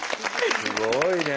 すごいね。